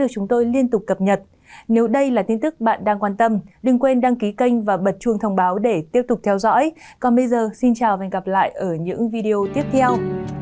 còn bây giờ xin chào và hẹn gặp lại ở những video tiếp theo